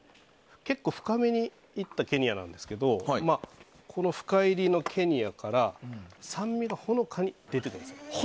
結構、深めにいったケニアなんですけど深いりのケニアから酸味がほのかに出てくるんですよ。